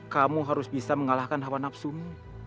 kamu harus bisa mengalahkan hawa nafsumu